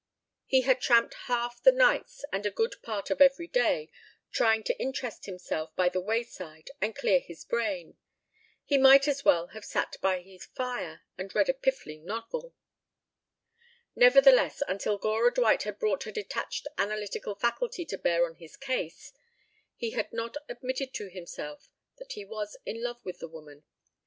He had tramped half the nights and a good part of every day trying to interest himself by the wayside and clear his brain. He might as well have sat by his fire and read a piffling novel. Nevertheless, until Gora Dwight had brought her detached analytical faculty to bear on his case, he had not admitted to himself that he was in love with the woman.